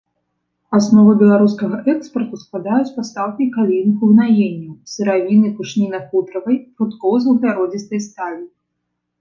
Аснову беларускага экспарту складаюць пастаўкі калійных угнаенняў, сыравіны пушніна-футравай, пруткоў з вугляродзістай сталі.